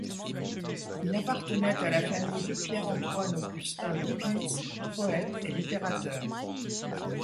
Il appartenait à la famille de Pierre-Antoine-Augustin de Piis, poète et littérateur.